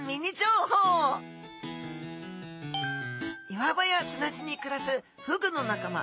岩場や砂地にくらすフグの仲間